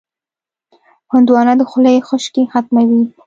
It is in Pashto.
هندوانه د خولې خشکي ختموي.